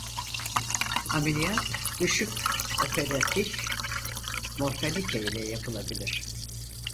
Ameliyat düşük operatif mortalite ile yapılabilir.